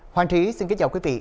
hoàng trí xin kính chào quý vị